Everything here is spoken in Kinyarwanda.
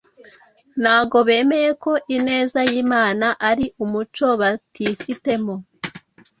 Ntabwo bemeye ko ineza y’Imana ari umuco batifitemo,